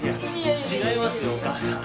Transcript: いや違いますよお母さん。